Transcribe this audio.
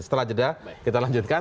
setelah jeda kita lanjutkan